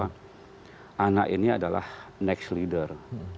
karena anak ini adalah next leader